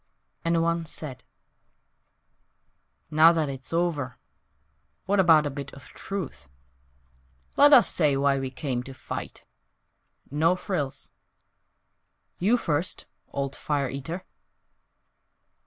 And one said: "Now that it's over What about a bit of truth? Let us say why we came to fight No frills You first, old Fire eater!"